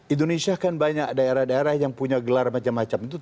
indonesia kan banyak daerah daerah yang punya gelar macam macam itu